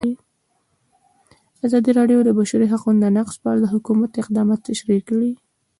ازادي راډیو د د بشري حقونو نقض په اړه د حکومت اقدامات تشریح کړي.